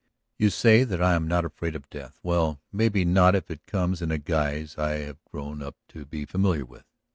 You say that I am not afraid of death; well, maybe not if it comes in a guise I have grown up to be familiar with.